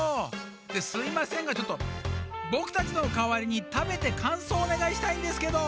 ですいませんがちょっとぼくたちのかわりにたべてかんそうをおねがいしたいんですけど。